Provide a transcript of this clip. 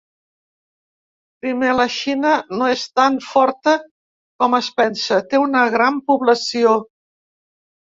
Primer, la Xina no és tan forta com es pensa; té una gran població.